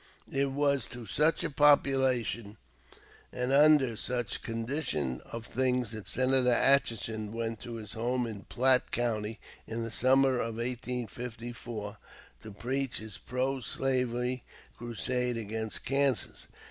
It was to such a population and under such a condition of things that Senator Atchison went to his home in Platte County in the summer of 1854 to preach his pro slavery crusade against Kansas.